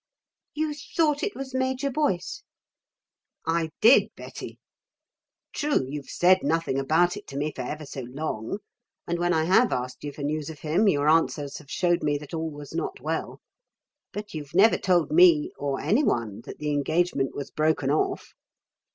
"You thought it was Major Boyce." "I did, Betty. True, you've said nothing about it to me for ever so long, and when I have asked you for news of him your answers have shewed me that all was not well. But you've never told me, or anyone, that the engagement was broken off."